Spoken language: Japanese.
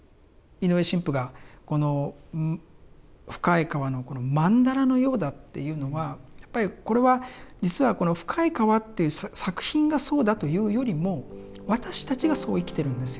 井上神父がこの「深い河」の曼荼羅のようだっていうのはやっぱりこれは実はこの「深い河」という作品がそうだというよりも私たちがそう生きてるんですよね。